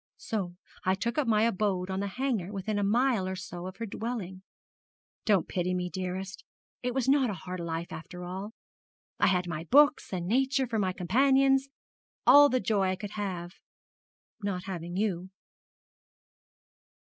So I took up my abode on the Hanger within a mile or so of her dwelling. Don't pity me, dearest. It was not a hard life after all. I had my books and Nature for my companions, all the joy I could have, not having you.'